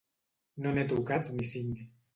No n'he tocats ni cinc.